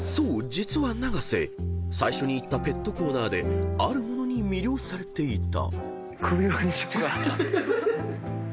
実は永瀬最初に行ったペットコーナーである物に魅了されていた］